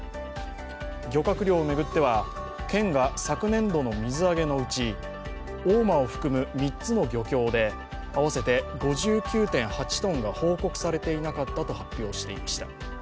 漁獲量を巡っては、県が昨年度の水揚げのうち大間を含む３つの漁協で合わせて５９．８トンが報告されていなかったと発表していました。